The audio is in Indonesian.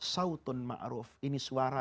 sautun ma'ruf ini suara